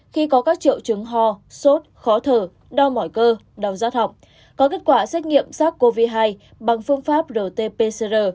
khi có các triệu chứng ho sốt khó thở đau mỏi cơ đau rát học có kết quả xét nghiệm sars cov hai bằng phương pháp rt pcr